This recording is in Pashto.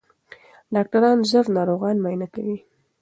ډاکټران ژر ناروغان معاینه کوي.